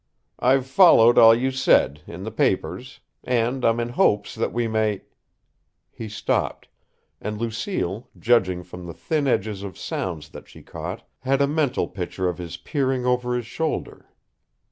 I've followed all you said, in the papers. And I'm in hopes that we may " He stopped, and Lucille, judging from the thin edges of sounds that she caught, had a mental picture of his peering over his shoulder.